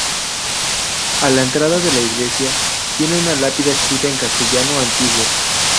A la entrada de la Iglesia, tiene una lápida escrita en castellano antiguo.